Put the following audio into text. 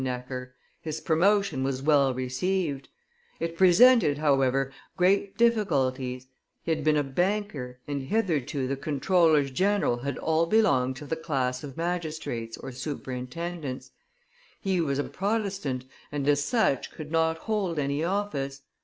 Necker, his promotion was well received; it presented, however, great difficulties: he had been a banker, and hitherto the comptrollers general had all belonged to the class of magistrates or superintendents; he was a Protestant, and, as such, could not hold any office.